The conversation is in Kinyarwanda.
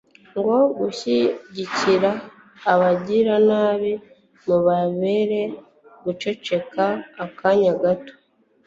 no gushyigikira abagiranabi mubabera guceceka akanya gato